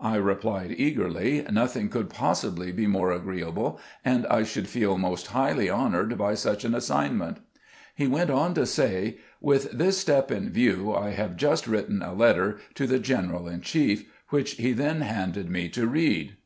I replied eagerly, " Nothing could possibly be more agreeable, and t should feel most highly honored by such an assignment." He went on to say, " With this step in view, I have just written a letter to the general in chief," which he then handed me to read.